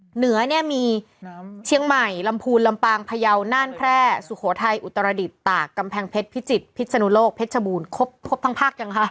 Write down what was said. เหนือเนี่ยมีเชียงใหม่ลำพูนลำปางพยาวน่านแพร่สุโขทัยอุตรดิษฐ์ตากกำแพงเพชรพิจิตรพิศนุโลกเพชรบูรณ์ครบทั้งภาคยังคะ